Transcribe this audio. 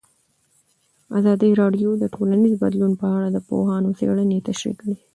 ازادي راډیو د ټولنیز بدلون په اړه د پوهانو څېړنې تشریح کړې.